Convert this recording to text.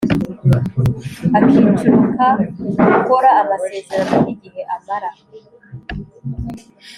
Akiciro ka Gukora amasezerano n igihe amara